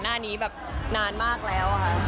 หน้านี้แบบนานมากแล้วค่ะ